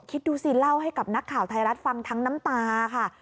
คิดดูสิเล่าให้กับนักข่าวไทยรัฐฟังทั้งน้ำตาค่ะ